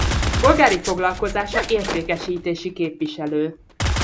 Polgári foglalkozása értékesítési képviselő.